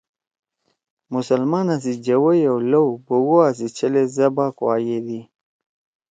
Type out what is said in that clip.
مسلمانا سی جوَئی او لؤ بوگوا سی چھلے زبح کُوا یِدی